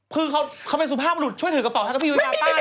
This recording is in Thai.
คือเค้าเป็นสุภาพลูกช่วยถือกระเป๋าเท่ากับพี่ยูไปบ้างเปล่า